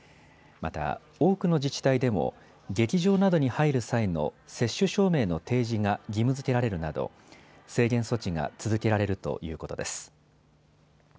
また、多くの自治体でも劇場などに入る際の接種証明の提示が義務づけられるなど制限措置が続けられるということです。